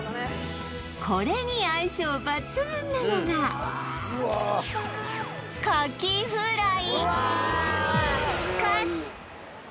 これに相性抜群なのがカキフライ！